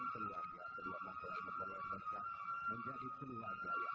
sebagai kita banyak selamat harapan dan doa kita kepada allah